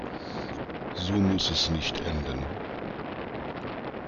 So muss es nicht enden.